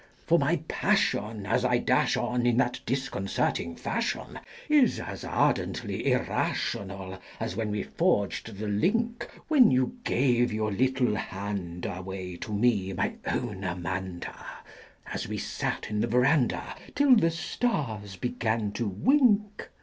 For my passion as I dash on in that disconcerting fashion Is as ardently irrational as when we forged the link When you gave your little hand away to me, my own Amanda An we sat 'n the veranda till the stars began to wink.